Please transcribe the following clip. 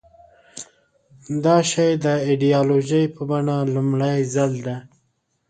دا شی د ایدیالوژۍ په بڼه لومړي ځل ده.